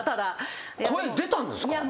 声出たんですか？